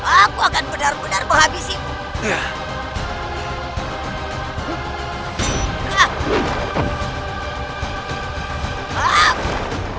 aku akan benar benar menghabisimu